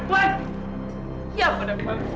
tuan itu besar cantik